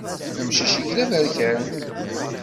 Amcic-ik d aberkan.